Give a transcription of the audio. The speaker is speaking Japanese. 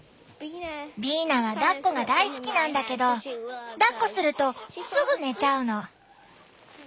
ビーナはだっこが大好きなんだけどだっこするとすぐ寝ちゃうの。